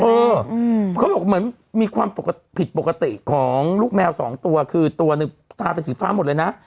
เขาบอกเหมือนมีความผิดปกติผิดปกติของลูกแมวสองตัวคือตัวหนึ่งตาเป็นสีฟ้าหมดเลยนะ